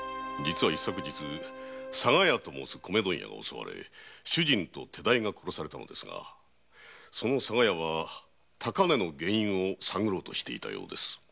実は一昨日佐賀屋と申す米問屋が襲われ主人と手代が殺されたのですがその佐賀屋は高値の原因を探ろうとしていたようです。